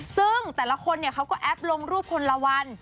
ซึ่งแต่ละคนเขาก็แอปลงรูปคนละวัน